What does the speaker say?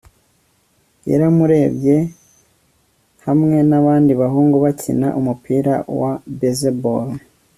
yaramurebye hamwe nabandi bahungu bakina umupira wa baseball